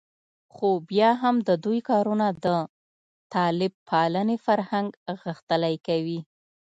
خو بیا هم د دوی کارونه د طالب پالنې فرهنګ غښتلی کوي